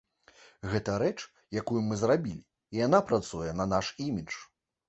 Гэта рэч, якую мы зрабілі, і яна працуе на наш імідж.